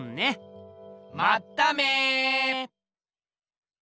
まっため！